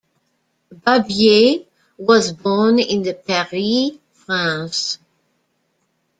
Barbier was born in Paris, France.